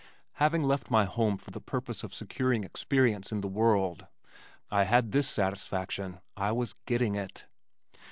Having left my home for the purpose of securing experience in the world, I had this satisfaction I was getting it!